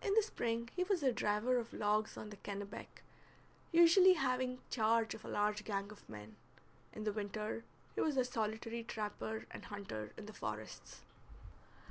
In the spring he was a driver of logs on the Kennebec, usually having charge of a large gang of men; in the winter he was a solitary trapper and hunter in the forests.